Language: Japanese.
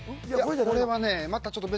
これはねまたちょっと別